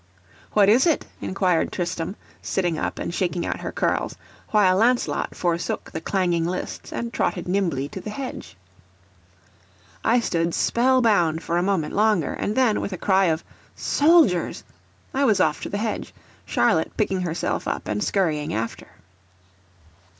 "What is it?" inquired Tristram, sitting up and shaking out her curls; while Lancelot forsook the clanging lists and trotted nimbly to the hedge. I stood spell bound for a moment longer, and then, with a cry of "Soldiers!" I was off to the hedge, Charlotte picking herself up and scurrying after.